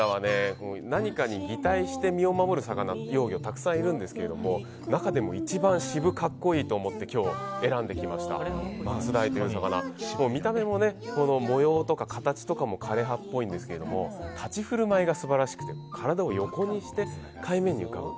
何かに擬態して身を守る幼魚いっぱいいるんですが、中でも渋格好いいと思って今日選んできましたマツダイという魚、模様とか形も枯れ葉っぽいんですけど立ち振る舞いが素晴らしくて体を横にして海面に浮かぶ。